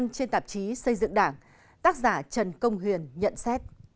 trên tạp chí xây dựng đảng tác giả trần công huyền nhận xét